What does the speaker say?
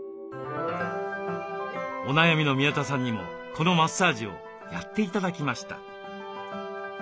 お悩みの宮田さんにもこのマッサージをやって頂きました。